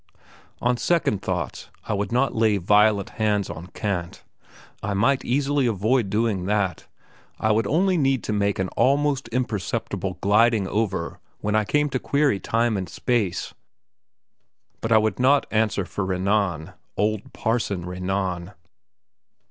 On second thoughts, I would not lay violent hands on Kant; I might easily avoid doing that; I would only need to make an almost imperceptible gliding over when I came to query Time and Space; but I would not answer for Renan, old Parson Renan....